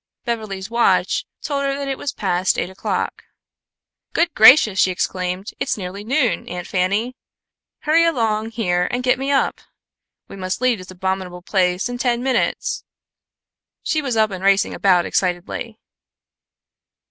Beverly's watch told her that it was past eight o'clock. "Good gracious!" she exclaimed. "It's nearly noon, Aunt Fanny. Hurry along here and get me up. We must leave this abominable place in ten minutes." She was up and racing about excitedly.